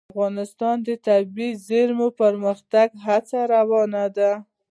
افغانستان کې د طبیعي زیرمې د پرمختګ هڅې روانې دي.